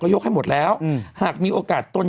ยกให้หมดแล้วหากมีโอกาสตน